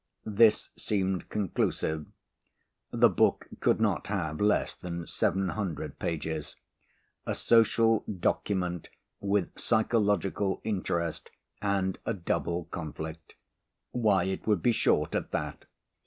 This seemed conclusive. The book could not have less than 700 pages. A social document with psychological interest and a double conflict. Why, it would be short at that.